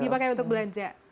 dipakai untuk belanja